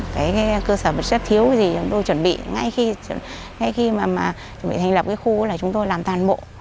cái cơ sở vật chất thiếu cái gì chúng tôi chuẩn bị ngay khi mà chuẩn bị thành lập cái khu là chúng tôi làm toàn bộ